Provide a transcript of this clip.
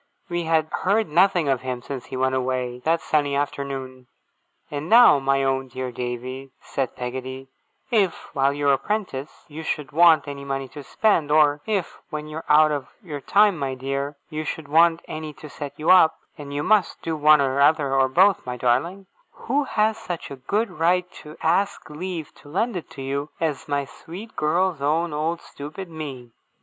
We had heard nothing of him since he went away, that sunny afternoon. 'And now, my own dear Davy,' said Peggotty, 'if, while you're a prentice, you should want any money to spend; or if, when you're out of your time, my dear, you should want any to set you up (and you must do one or other, or both, my darling); who has such a good right to ask leave to lend it you, as my sweet girl's own old stupid me!